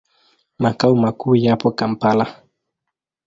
Makao makuu yapo Kampala.